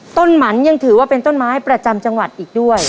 หมันยังถือว่าเป็นต้นไม้ประจำจังหวัดอีกด้วย